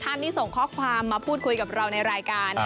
ท่านที่ส่งข้อความมาพูดคุยกับเราในรายการ